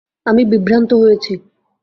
আমি বিভ্রান্ত হয়েছি।